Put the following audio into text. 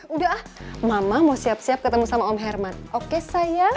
udah ah mama mau siap siap ketemu sama om herman oke saya